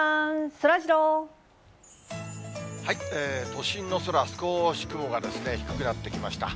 都心の空、少し雲が低くなってきました。